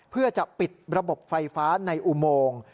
เพื่อจะปิดระบบไฟฟ้าในอุโมง